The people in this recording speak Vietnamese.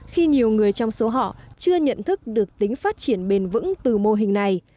khi nhiều người trong số họ chưa nhận thức được tính phát triển bền vững từ mô hình này